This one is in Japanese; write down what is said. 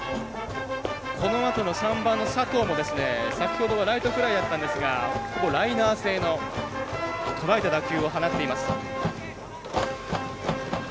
このあとの３番の佐藤も先ほどはライトフライだったんですがほぼライナー性のとらえた打球を放っています。